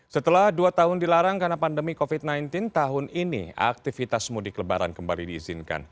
setelah dua tahun dilarang karena pandemi covid sembilan belas tahun ini aktivitas mudik lebaran kembali diizinkan